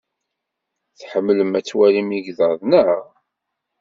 Tḥemmlem ad twalim igḍaḍ, naɣ?